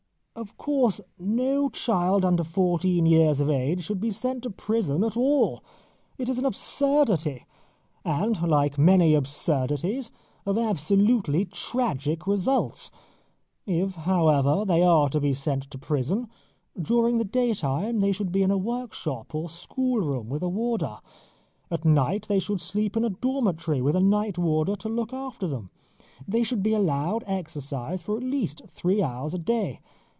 Of course no child under fourteen years of age should be sent to prison at all. It is an absurdity, and, like many absurdities, of absolutely tragic results. If, however, they are to be sent to prison, during the daytime they should be in a workshop or schoolroom with a warder. At night they should sleep in a dormitory, with a night warder to look after them. They should be allowed exercise for at least three hours a day.